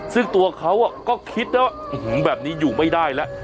ซึ่งตัวเขาก็คิดนะว่าอื้อหือแบบนี้อยู่ไม่ได้แล้ว